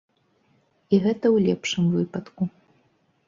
І гэта ў лепшым выпадку.